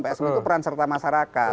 psm itu peran serta masyarakat